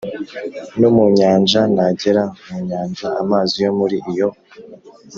no mu nyanja nagera mu nyanja amazi yo muri yo